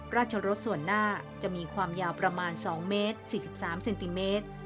ราชรสส่วนหน้าจะมีความยาวประมาณ๒เมตร๔๓เซนติเมตร